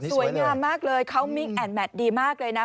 สวยงามมากเลยเขามิกแอนดแมทดีมากเลยนะ